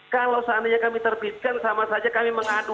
kalau seandainya kami terbitkan sama saja kami mengadu